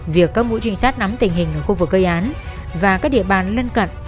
việc các mũi trinh sát nắm tình hình ở khu vực gây án và các địa bàn lân cận